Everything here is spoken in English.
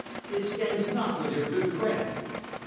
It stands not with your good credit."